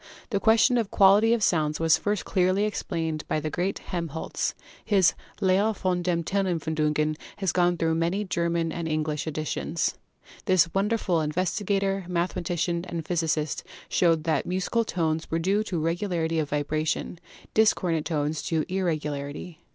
The question of the quality of sounds was first clearly explained by the great Helmholtz. His *Lehre von den Tonempfindungen' has gone through many German and English editions. This wonderful investigator, mathema tician and physicist showed that musical tones were due to regularity of vibration, discordant tones to irregularity.